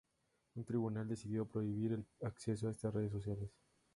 Un tribunal decidió prohibir el acceso a estas redes sociales.